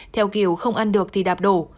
theo kiểu không ăn được thì đạp đổ